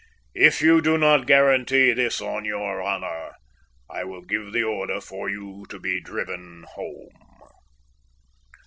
If you do not guarantee this on your honour, I will give the order for you to be driven home.